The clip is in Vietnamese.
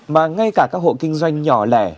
mà ngay cả các hộ kinh doanh nhỏ lạ